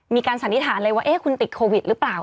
มีการสันนิทานเลยว่าเอ๊ะคุณติดโควิดหรือเปล่า